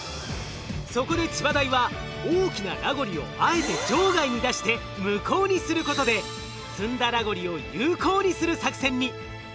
そこで千葉大は大きなラゴリをあえて場外に出して無効にすることで積んだラゴリを有効にする作戦に。